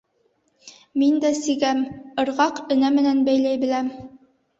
Мин дә сигәм, ырғаҡ, энә менән бәйләй беләм.